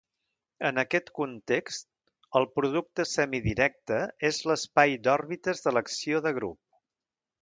En aquest context, el producte semidirecte és l'espai d'òrbites de l'acció de grup.